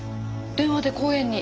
電話で公園に。